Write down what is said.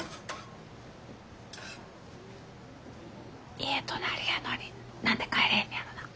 家隣やのに何で帰れへんねやろな。